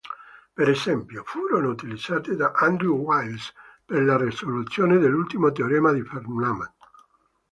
Per esempio furono utilizzate da Andrew Wiles per la risoluzione dell'ultimo teorema di Fermat.